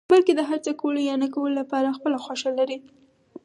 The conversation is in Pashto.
بلکې د هر څه کولو يا نه کولو لپاره خپله خوښه لري.